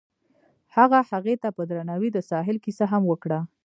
هغه هغې ته په درناوي د ساحل کیسه هم وکړه.